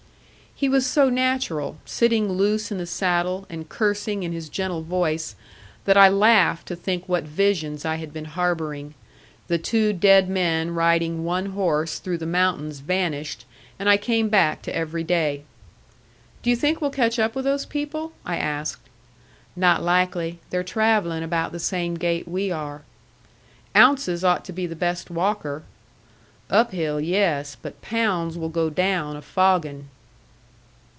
He was so natural, sitting loose in the saddle, and cursing in his gentle voice, that I laughed to think what visions I had been harboring. The two dead men riding one horse through the mountains vanished, and I came back to every day. "Do you think we'll catch up with those people?" I asked. "Not likely. They're travelling about the same gait we are." "Ounces ought to be the best walker." "Up hill, yes. But Pounds will go down a foggin'."